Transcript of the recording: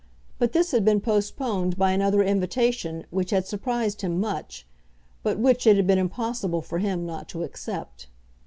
But this had been postponed by another invitation which had surprised him much, but which it had been impossible for him not to accept.